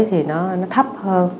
thì nó thấp hơn